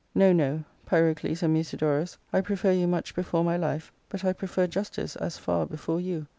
No, no, Pyrocles and Musidorus, I prefer you much before my life, but I prefer justice as far before you.